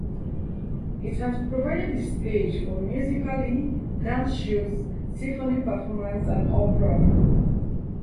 It has provided the stage for musicals, dance shows, symphony performances, and opera.